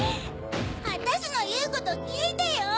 わたしのいうこときいてよ！